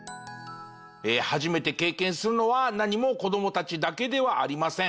初めて経験するのは何も子供たちだけではありません。